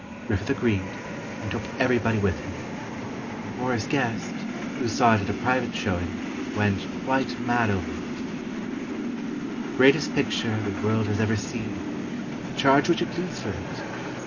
Griffith agreed, and took everybody with him. Morris Gest, who saw it at a private showing, "went quite mad" over it: "Greatest picture the world has ever seen—charge what you please for it.